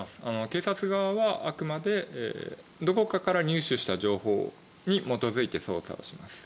警察側はあくまでどこかから入手した情報に基づいて捜査をします。